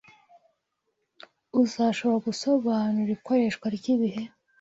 Uzashobora gusobanura ikoreshwa ryibihe